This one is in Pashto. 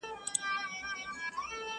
په یوه شېبه پر ملا باندي ماتېږې.!